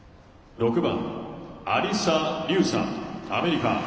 ６番アリサ・リュウさん、アメリカ。